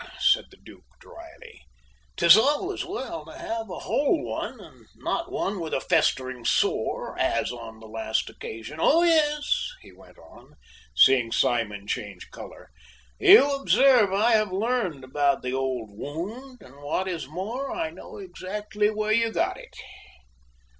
said the Duke dryly. "'Tis always well to have a whole one, and not one with a festering sore, as on the last occasion. Oh yes," he went on, seeing Simon change colour, "you observe I have learned about the old wound, and what is more, I know exactly where you got it."